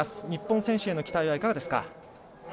日本選手への期待はいかがですか。